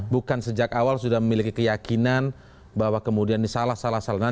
bukan sejak awal sudah memiliki keyakinan bahwa kemudian ini salah salah